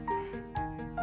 lebih dari itu ma